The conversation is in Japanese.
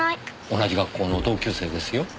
同じ学校の同級生ですよ？